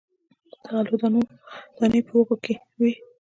د غلو دانې په وږو کې وي.